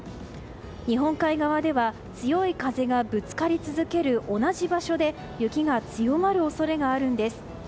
日本海側では強い風がぶつかり続ける同じ場所で雪が強まる恐れがあるんです。